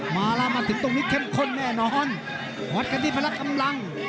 มาแล้วมาถึงตรงนี้เข้มข้นแน่นอนวัดกันที่พละกำลัง